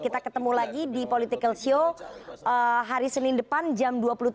kita ketemu lagi di political show hari senin depan jam dua puluh tiga